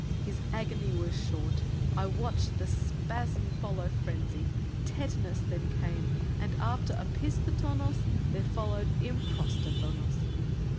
His agony was short. I watched The spasm follow frenzy; tetanos Then came, and after opisthotonos There followed improstathonos.